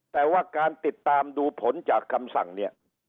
แต่ว่าการติดตามดูผลจากคำสั่งเนี่ย